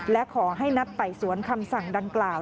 และขอให้นัดไต่สวนคำสั่งดังกล่าว